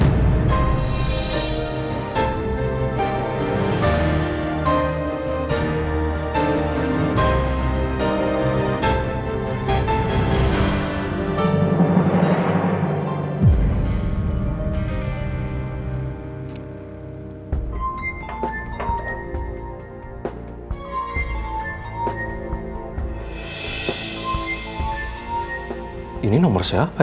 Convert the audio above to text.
jangan lupa cepat